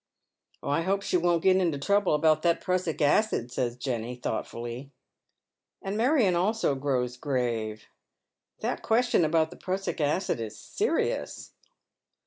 " I hope she won't get into trouble about that prussic acid." says Jenny, thoughtf"ully. And Manon also grows grave. That question about the prussic acid is serious.